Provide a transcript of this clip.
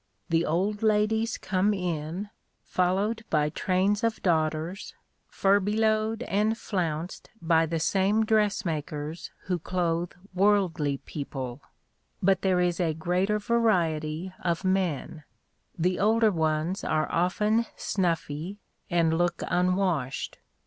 The old ladies come in, followed by trains of daughters, furbelowed and flounced by the same dressmakers who clothe worldly people; but there is a greater variety of men the older ones are often snuffy, and look unwashed.